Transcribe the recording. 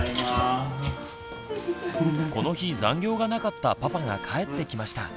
この日残業がなかったパパが帰ってきました。